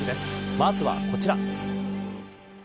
まずはこちら。